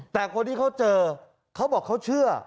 แต่คนที่เขาเจอเขาบอกเขาเชื่อ